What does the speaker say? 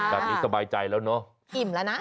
แบบนี้สบายใจแล้วเนอะอิ่มแล้วนะ